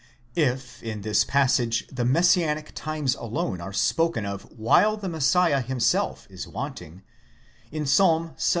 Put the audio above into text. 1! If in this passage the messianic times alone are spoken of, while the Messiah himself is wanting, in Psalm Ixxil.